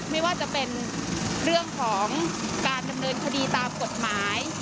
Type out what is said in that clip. ไม่ว่าจะเป็นเรื่องของการดำเนินคดีตามกฎหมาย